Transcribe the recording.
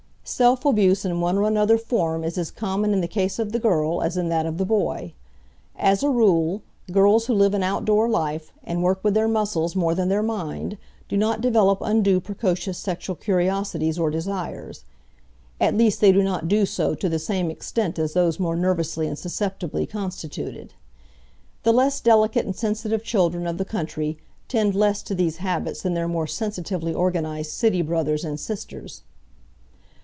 Self abuse in one or another form is as common in the case of the girl as in that of the boy. As a rule, girls who live an outdoor life, and work with their muscles more than their mind, do not develop undue precocious sexual curiosities or desires. At least they do not do so to the same extent as those more nervously and susceptibly constituted. The less delicate and sensitive children of the country tend less to these habits than their more sensitively organized city brothers and sisters.